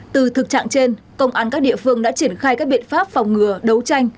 từ thực trạng trên công an các địa phương đã triển khai các biện pháp phòng ngừa đấu tranh